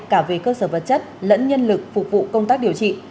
cả về cơ sở vật chất lẫn nhân lực phục vụ công tác điều trị